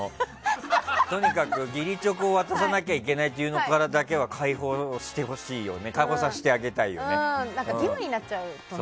とにかく義理チョコを渡さなきゃいけないというのからだけは義務になっちゃうとね。